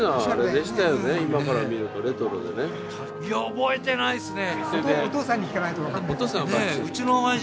覚えてないですね。